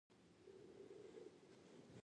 کله خوښ یو او کله خفه پاتې کېږو